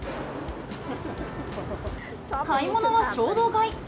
買い物は衝動買い。